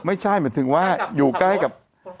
ไม่ใช่แบบถึงว่าอยู่ไกลกับ